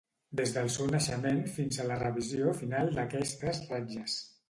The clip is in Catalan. Des del seu naixement fins a la revisió final d'aquestes ratlles.